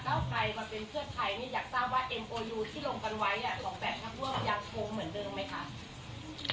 ของแปดพักร่วมยังคงเหมือนเดิมไหมคะ